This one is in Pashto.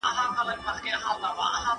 هغه په خپله د ګرګین جامې اغوستې وې.